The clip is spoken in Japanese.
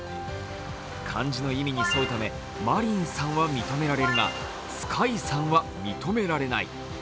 漢字の意味に沿うため、マリンさんは認められるがスカイさんは認められない。